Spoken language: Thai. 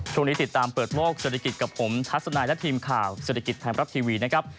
ติดตามเปิดโมกเศรษฐกิจกับผมทัศนายและทีมข่าวเศรษฐกิจไทยรัฐทีวีนะครับ